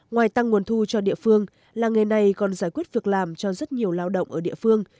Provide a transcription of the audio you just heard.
ngoài tăng nguồn thu cho địa phương làng nghề này còn giải quyết việc làm cho rất nhiều lao động ở địa phương